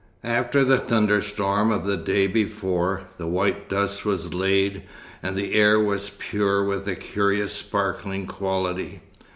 After the thunderstorm of the day before, the white dust was laid, and the air was pure with a curious sparkling quality.